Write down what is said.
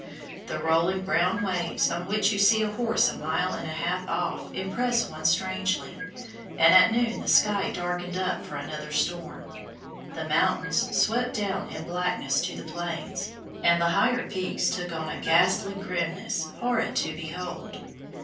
The rolling brown waves on which you see a horse a mile and a half off impress one strangely, and at noon the sky darkened up for another storm, the mountains swept down in blackness to the Plains, and the higher peaks took on a ghastly grimness horrid to behold.